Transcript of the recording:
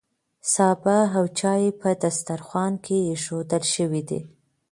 سابه او چای په دسترخوان کې ایښودل شوي دي.